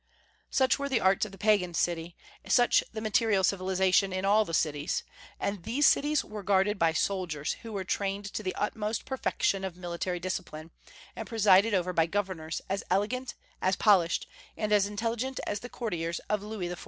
Such were the arts of the Pagan city, such the material civilization in all the cities; and these cities were guarded by soldiers who were trained to the utmost perfection of military discipline, and presided over by governors as elegant, as polished, and as intelligent as the courtiers of Louis XIV.